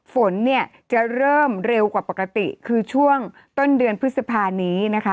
ฝนจะเริ่มเร็วกว่าปกติคือช่วงต้นเดือนพฤษภานี้